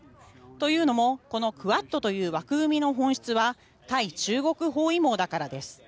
というのも、このクアッドという枠組みの本質は対中国包囲網だからです。